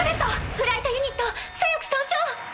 フライトユニット左翼損傷。